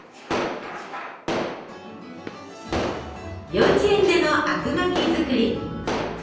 幼稚園でのあくまき作り。